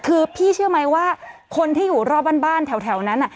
คือพี่เชื่อไหมว่าคนที่อยู่รอบบ้านแถวนั้น